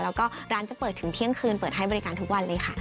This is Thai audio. แล้วก็ร้านจะเปิดถึงเที่ยงคืนเปิดให้บริการทุกวันเลยค่ะ